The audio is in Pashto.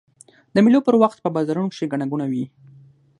د مېلو پر وخت په بازارو کښي ګڼه ګوڼه يي.